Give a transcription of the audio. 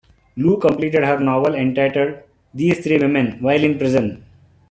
Lu completed her novel entitled "These Three Women" while in prison.